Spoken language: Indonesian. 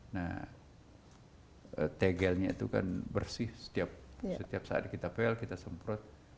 nah tegelnya itu kan bersih setiap saat kita pel kita semprot